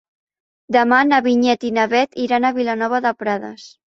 Demà na Vinyet i na Bet iran a Vilanova de Prades.